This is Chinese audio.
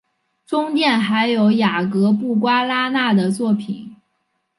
中殿还有雅格布瓜拉纳的作品。